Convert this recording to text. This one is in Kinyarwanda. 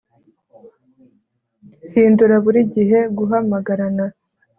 Hindura buri gihe guhamagarana